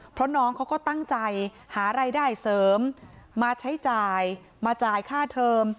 เพราะน้องเขาก็ตั้งใจหารายได้เสริมมาใช้จ่ายมาจ่ายค่าเทอม